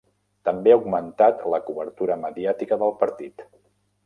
També ha augmentat la cobertura mediàtica del partit.